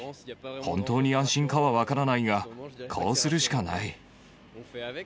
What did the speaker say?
本当に安心かは分からないが、こうするしかない。